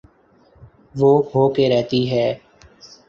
وہ ہو کے رہتی ہے۔